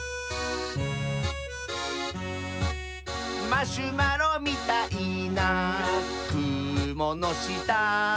「マシュマロみたいなくものした」